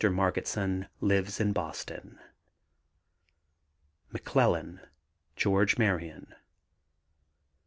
Margetson lives in Boston. McCLELLAN, GEORGE MARION.